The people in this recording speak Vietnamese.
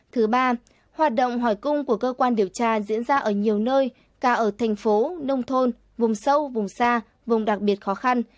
thứ ba hoạt động hỏi cung của cơ quan điều tra diễn ra ở nhiều nơi cả ở thành phố nông thôn vùng sâu vùng xa vùng đặc biệt khó khăn